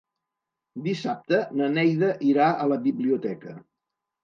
Dissabte na Neida irà a la biblioteca.